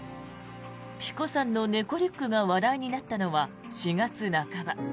ｐｉｃｏさんの猫リュックが話題になったのは４月半ば。